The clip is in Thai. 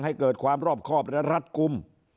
ให้เกิดความรอบครอบและรัดกลุ่ม